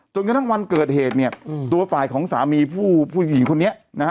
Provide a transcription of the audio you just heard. จนกระทั่งวันเกิดเหตุเนี่ยตัวฝ่ายของสามีผู้หญิงคนนี้นะฮะ